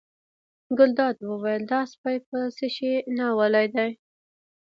ګلداد وویل دا سپی په څه شي ناولی دی.